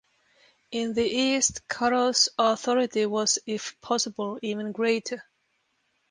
In the East, Karo's authority was, if possible, even greater.